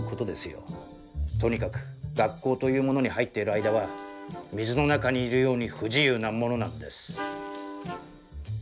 とにかく学校というものに入っている間は水の中にいるように不自由なものなんです。